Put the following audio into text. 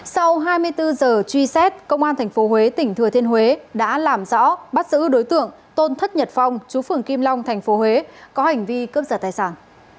sau hai mươi bốn giờ truy xét công an tp huế tỉnh thừa thiên huế đã làm rõ bắt giữ đối tượng tôn thất nhật phong chú phường kim long tp huế có hành vi cướp giật tài sản